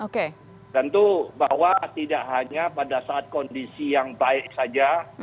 tentu bahwa tidak hanya pada saat kondisi yang baik saja